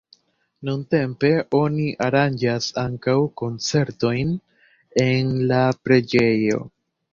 Nuntempe oni aranĝas ankaŭ koncertojn en la preĝejo.